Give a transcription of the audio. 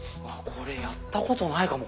これやったことないかも。